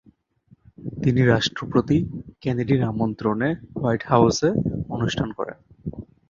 তিনি রাষ্ট্রপতি কেনেডির আমন্ত্রণে হোয়াইট হাউসে অনুষ্ঠান করেন।